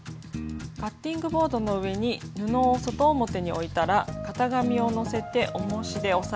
カッティングボードの上に布を外表に置いたら型紙をのせておもしで押さえます。